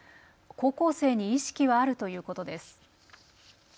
高校生に意識はあるということです。